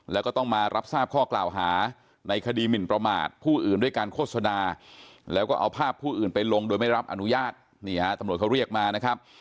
แล้วก็ต้องมารับทราบข้อกล่าวหาในคดีหมินประมาทผู้อื่นด้วยการโฆษณาแล้วก็เอาภาพผู้อื่นไปลงโดยไม่รับอนุญาตนี่ฮะตำรวจเขาเรียกมานะครับ